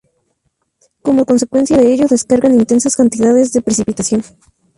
Como consecuencia de ello descargan intensas cantidades de precipitación.